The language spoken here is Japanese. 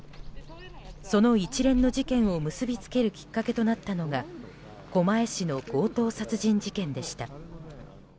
その一連の事件を結び付けるきっかけとなったのが狛江市の強盗殺人事件でした。